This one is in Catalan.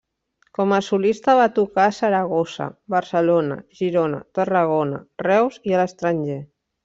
Com a solista va tocar a Saragossa, Barcelona, Girona, Tarragona, Reus i a l'estranger.